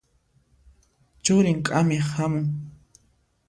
Churin k'amiq hamun.